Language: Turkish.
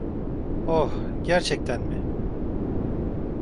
Oh, gerçekten mi?